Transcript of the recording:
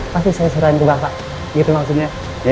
pasti saya serahin ke bapak gitu maksudnya